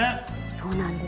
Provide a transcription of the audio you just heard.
そうなんです。